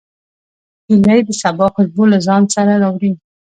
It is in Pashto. هیلۍ د سبا خوشبو له ځان سره راوړي